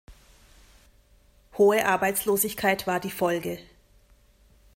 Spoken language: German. Hohe Arbeitslosigkeit war die Folge.